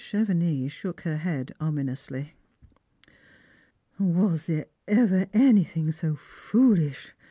Chevenix shook her head ominously. " Was there ever anything so foolish